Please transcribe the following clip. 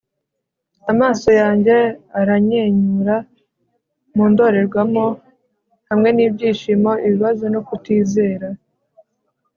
amaso yanjye aranyenyura mu ndorerwamo, hamwe n'ibyishimo, ibibazo no kutizera